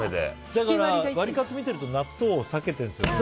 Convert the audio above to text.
だからワリカツ見てると納豆避けてますもんね。